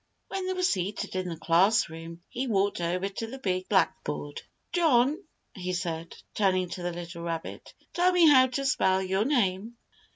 When they were seated in the schoolroom, he walked over to the big blackboard. "John," he said, turning to the little rabbit, "tell me how to spell your name."